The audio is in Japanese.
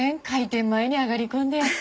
開店前に上がり込んで。